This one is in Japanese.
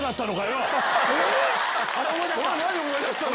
何思い出したの？